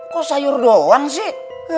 kok sayur doang sih